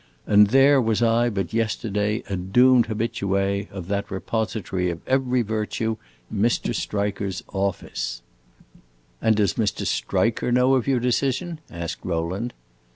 And there was I but yesterday a doomed habitue of that repository of every virtue, Mr. Striker's office!" "And does Mr. Striker know of your decision?" asked Rowland.